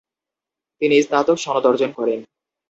তিনি স্নাতক সনদ অর্জন করেন।